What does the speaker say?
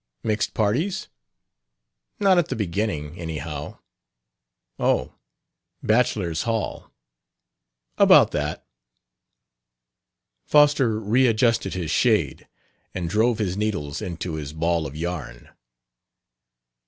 "Mixed parties?" "Not at the beginning, anyhow." "Oh; bachelor's hall." "About that." Foster readjusted his shade, and drove his needles into his ball of yarn.